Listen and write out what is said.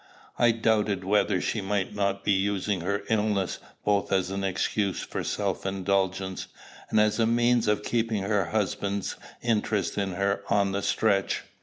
I doubted whether she might not be using her illness both as an excuse for self indulgence, and as a means of keeping her husband's interest in her on the stretch.